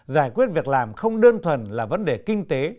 giải quyết việc làm không đơn thuần là vấn đề kinh tế